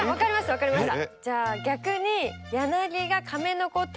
分かりました。